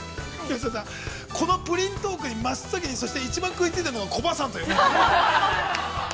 ◆このプリントークに、真っ先にそして、一番食いついたのがコバさんというね。